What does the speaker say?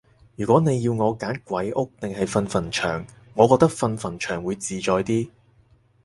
如果你要我揀鬼屋定係瞓墳場，我覺得瞓墳場會自在啲